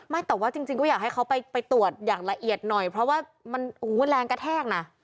แต่ว่าจริงก็อยากให้เขาไปตรวจอย่างละเอียดหน่อยเพราะว่ามันแรงกระแทกนะ